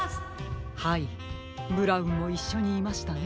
はいブラウンもいっしょにいましたね。